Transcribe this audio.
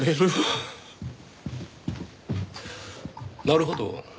なるほど。